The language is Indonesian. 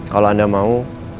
kalau anda mau